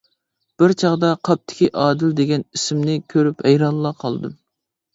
بىر چاغدا قاپتىكى ئادىل دېگەن ئىسىمنى كۆرۈپ ھەيرانلا قالدىم.